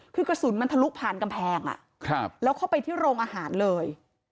คือกระสุนมันทะลุผ่านกำแพงแล้วเข้าไปที่โรงอาหารเลย